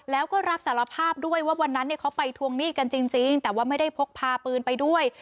แล้วก็รับสารภาพด้วยว่าวันนั้นเขาไปทวงหนี้กันจริงแต่ว่าไม่ได้พกพาปืนไปด้วย